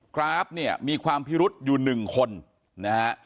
กราฟเนี่ยมีความพิรุษอยู่๑คนนะฮะ